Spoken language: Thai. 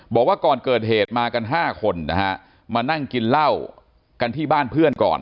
บอกว่าก่อนเกิดเหตุมากัน๕คนนะฮะมานั่งกินเหล้ากันที่บ้านเพื่อนก่อน